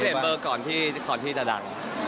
จริงผมเปลี่ยนเบอร์ก่อนที่จะดัง